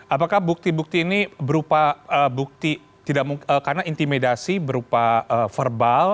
apakah bukti bukti ini berupa bukti karena intimidasi berupa verbal